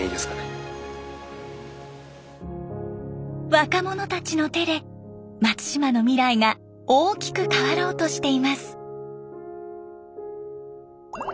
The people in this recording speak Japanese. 若者たちの手で松島の未来が大きく変わろうとしています。